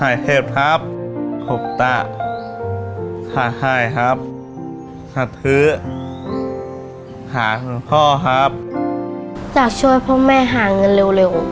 อยากช่วยพ่อแม่หาเงินเร็ว